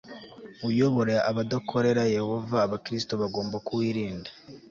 uyobora abadakorera yehova abakristo bagomba kuwirinda